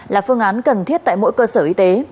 là phương án cần thiết tại mỗi cơ sở y tế